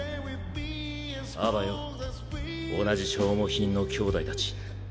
あばよ同じ消耗品の兄弟たち。